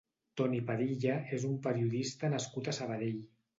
Toni Padilla és un periodista nascut a Sabadell.